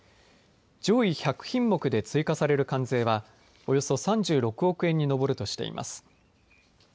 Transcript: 上位１００品目で追加される関税はおよそ３６億円に上るとしています。